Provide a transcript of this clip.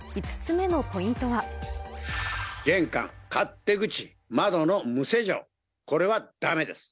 玄関、勝手口、窓の無施錠、これはだめです。